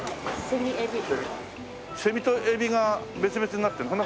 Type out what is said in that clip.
セミとエビが別々になってるの？